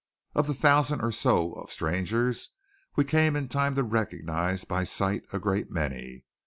Of the thousand or so of strangers we came in time to recognize by sight a great many.